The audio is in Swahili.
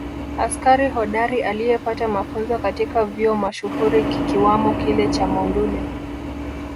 Askari hodari aliyepata mafunzo katika vyuo mashuhuri kikiwamo kile cha Monduli